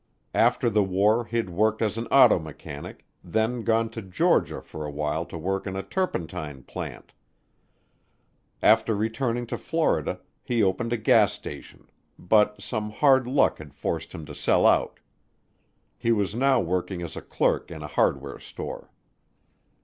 After the war he'd worked as an auto mechanic, then gone to Georgia for a while to work in a turpentine plant. After returning to Florida, he opened a gas station, but some hard luck had forced him to sell out. He was now working as a clerk in a hardware store.